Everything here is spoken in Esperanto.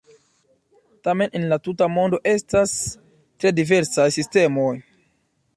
Tamen en la tuta mondo estas tre diversaj sistemoj.